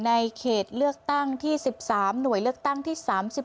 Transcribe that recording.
เขตเลือกตั้งที่๑๓หน่วยเลือกตั้งที่๓๑